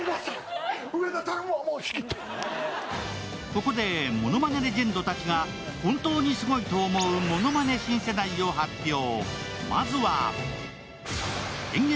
ここでものまねレジェンドたちが、本当にすごいと思うものまね新世代を発表！